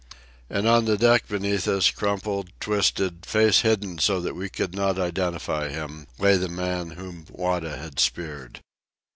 And on the deck beneath us, crumpled, twisted, face hidden so that we could not identify him, lay the man whom Wada had speared.